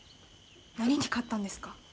何に勝ったんですか？